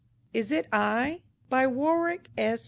IS IT I? BY WARWICK S.